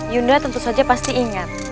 yunda tentu saja pasti ingat